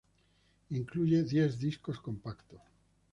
Incluye diez discos compactos.